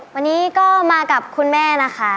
วันนี้ก็มากับคุณแม่นะคะ